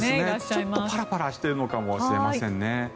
ちょっとパラパラしているのかもしれませんね。